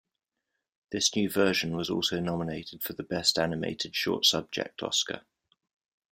This new version was also nominated for the Best Animated Short Subject Oscar.